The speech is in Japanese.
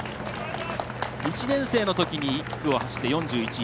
１年生のときに１区を走って４１位。